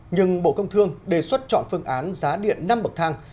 nhưng bộ công thương đề xuất chọn phương án giá điện năm bậc thang